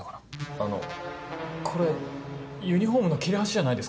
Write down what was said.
あのこれユニホームの切れ端じゃないですか？